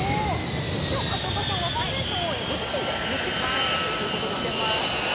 今日片岡さんはファンデーションをご自身で塗ってきてくださってるということなんですが塗ってます